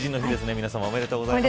皆さま、おめでとうございます。